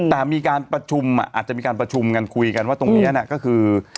แต่มีการประชุมอาจจะมีการประชุมกันคุยกันว่าตรงนี้ก็คือ